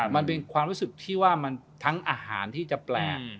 มันเป็นความรู้สึกที่ว่ามันทั้งอาหารที่จะแปลก